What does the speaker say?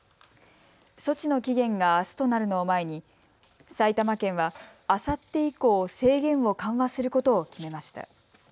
措置の期限があすとなるのを前に埼玉県は、あさって以降、制限を緩和することを決めました。